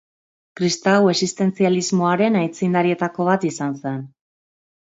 Kristau existentzialismoaren aitzindarietako bat izan zen.